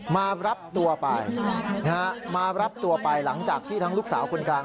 มารับตัวไปมารับตัวไปหลังจากที่ทั้งลูกสาวคนกลาง